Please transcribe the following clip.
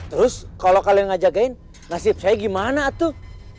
terus kalau kalian ngajakin nasib saya gimana atuh